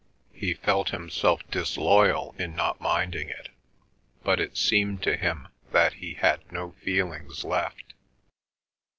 He felt himself disloyal in not minding it, but it seemed to him that he had no feelings left.